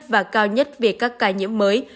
và cao nhất về các ca nhiễm mới